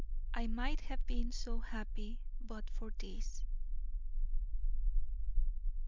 "I MIGHT HAVE BEEN SO HAPPY, BUT FOR THIS!"